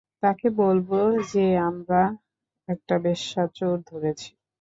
তাকে বলবা যে আমারা একটা বেশ্যা চোর ধরেছি।